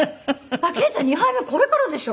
憲ちゃん２杯目これからでしょ。